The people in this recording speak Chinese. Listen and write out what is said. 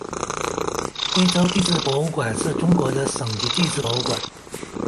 贵州地质博物馆是中国的省级地质博物馆。